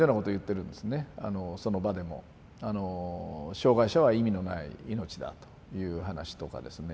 障害者は意味のない命だという話とかですね